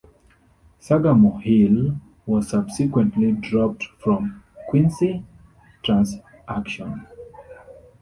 SagamoreHill was subsequently dropped from the Quincy transaction.